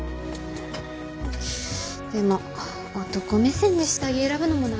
でも男目線で下着選ぶのもな。